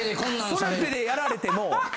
その手でやられても。